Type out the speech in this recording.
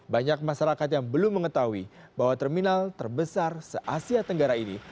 banyak masyarakat yang belum mengetahui bahwa terminal terbesar se asia tenggara ini